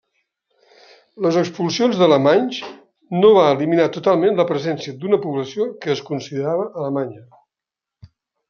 Les expulsions d'alemanys no va eliminar totalment la presència d'una població que es considerava alemanya.